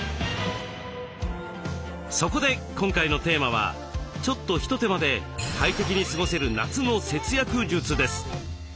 そこで今回のテーマはちょっと一手間で快適に過ごせる夏の節約術です。